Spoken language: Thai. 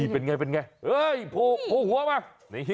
เป็นไงโพหัวมา